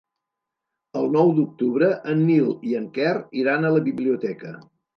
El nou d'octubre en Nil i en Quer iran a la biblioteca.